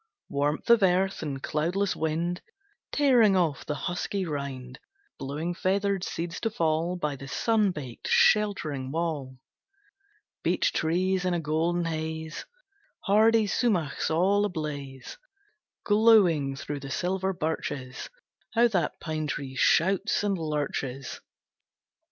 Warmth of earth, and cloudless wind Tearing off the husky rind, Blowing feathered seeds to fall By the sun baked, sheltering wall. Beech trees in a golden haze; Hardy sumachs all ablaze, Glowing through the silver birches. How that pine tree shouts and lurches!